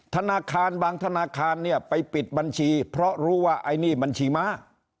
ธนาคารบางธนาคารเนี่ยไปปิดบัญชีเพราะรู้ว่าไอ้นี่บัญชีม้า